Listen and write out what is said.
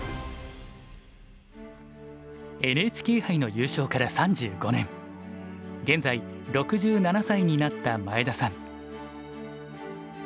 ＮＨＫ杯の優勝から３５年現在６７歳になった前田さん。